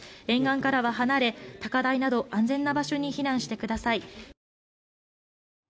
沿岸からは離れた高台など安全な場所に避難してください。